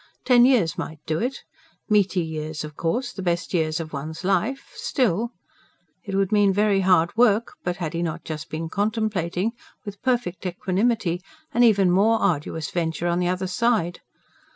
Ten years might do it meaty years, of course, the best years of one's life still .... It would mean very hard work; but had he not just been contemplating, with perfect equanimity, an even more arduous venture on the other side?